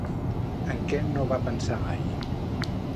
En què no va pensar ahir?